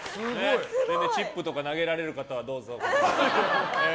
全然チップとか投げられる方はどうぞ。